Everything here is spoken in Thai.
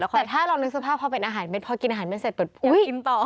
แต่ถ้าเรานึกสภาพพอเป็นอาหารเม็ดพอกินอาหารเม็ดเสร็จปุ๊บอุ๊ยกินต่อ